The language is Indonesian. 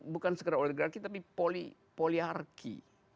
bukan sekedar oligarki tapi poliarki